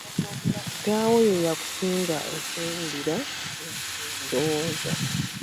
Kitaawo ye yakusiiga okwewulira ndowooza.